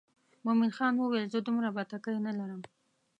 مومن خان وویل زه دومره بتکۍ نه لرم.